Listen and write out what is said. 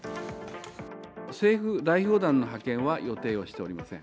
政府代表団の派遣は予定をしておりません。